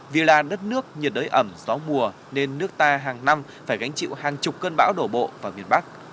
vì là đất nước nhiệt đới ẩm gió mùa nên nước ta hàng năm phải gánh chịu hàng chục cơn bão đổ bộ vào miền bắc